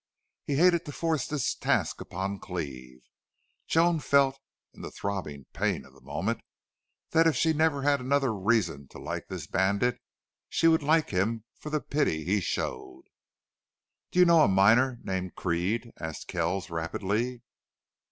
He hated to force this task upon Cleve. Joan felt, in the throbbing pain of the moment, that if she never had another reason to like this bandit, she would like him for the pity he showed. "Do you know a miner named Creede?" asked Kells, rapidly.